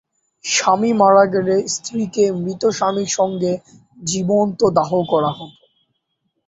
স্বামী মারা গেলে স্ত্রীকে মৃত স্বামীর সঙ্গে জীবন্ত দাহ করা হত।